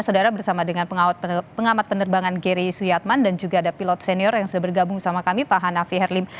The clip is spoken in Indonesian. saudara bersama dengan pengamat penerbangan gary suyatman dan juga ada pilot senior yang sudah bergabung sama kami pak hanafi herlim